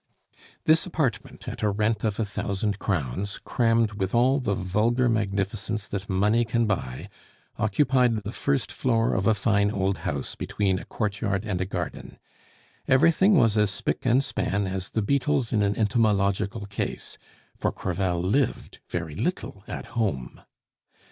This apartment, at a rent of a thousand crowns, crammed with all the vulgar magnificence that money can buy, occupied the first floor of a fine old house between a courtyard and a garden. Everything was as spick and span as the beetles in an entomological case, for Crevel lived very little at home.